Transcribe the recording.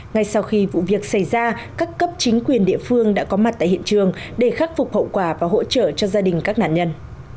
ngay sau khi vụ việc xảy ra các cấp chính quyền địa phương đã có mặt tại hiện trường để khắc phục hậu quả và hỗ trợ cho gia đình các nạn nhân